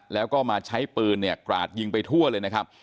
แล้วก็มาใช้ปืนเนี่ยกราดยิงไปทั่วเลยนะครับ